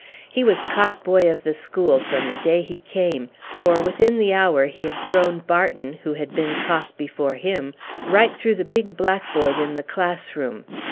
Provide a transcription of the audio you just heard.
He was cock boy of the school from the day he came; for within the hour he had thrown Barton, who had been cock before him, right through the big blackboard in the class room.